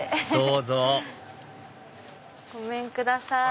どうぞごめんください。